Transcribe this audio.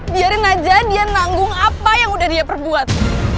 biarin aja dia nanggung apa yang udah dia perbuat